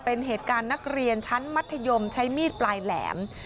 เป็นเหตุการณ์นักเรียนชั้นมัธยมใช้มีดปลายแหลม